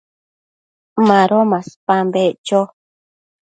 Mado maspan beccho